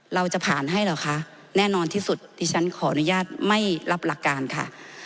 เราจะผ่านให้เหรอคะแน่นอนที่สุดที่ฉันขออนุญาตไม่รับหลักการค่ะ